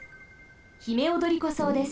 ヒメオドリコソウです。